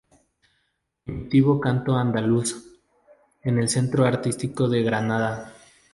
Primitivo canto andaluz" en el Centro Artístico de Granada.